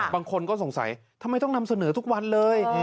บางคนก็สงสัยทำไมต้องนำเสนอทุกวันเลย